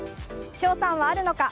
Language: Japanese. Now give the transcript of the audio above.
勝算はあるのか？